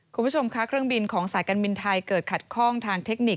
คุณผู้ชมค่ะเครื่องบินของสายการบินไทยเกิดขัดข้องทางเทคนิค